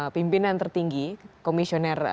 pimpinan tertinggi komisioner